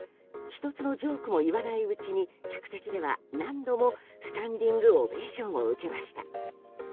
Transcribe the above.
１つのジョークも言わないうちに客席では何度もスタンディングオベーションを受けました。